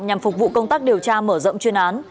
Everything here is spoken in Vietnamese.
nhằm phục vụ công tác điều tra mở rộng chuyên án